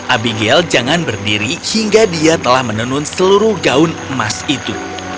abigail jangan berhenti menginstrusikan suaminya